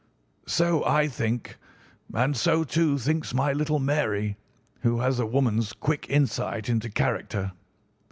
So I think, and so, too, thinks my little Mary, who has a woman's quick insight into character.